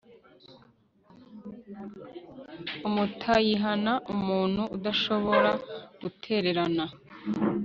umutayihana umuntu udashobora gutererana